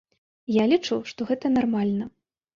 Я лічу, што гэта нармальна.